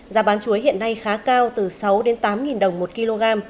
giá bán chuối hiện nay khá cao từ sáu đến tám đồng một kg